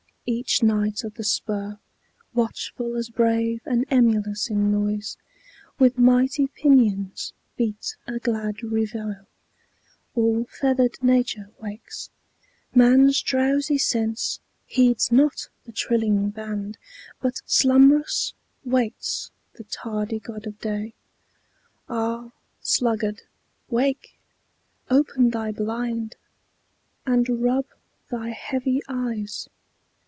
Each knight o' the spur, Watchful as brave, and emulous in noise, With mighty pinions beats a glad reveille. All feathered nature wakes. Man's drowsy sense Heeds not the trilling band, but slumbrous waits The tardy god of day. Ah! sluggard, wake! Open thy blind, and rub thy heavy eyes!